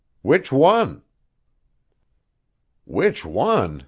"Which one?" "Which one?"